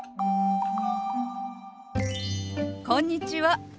こんにちは。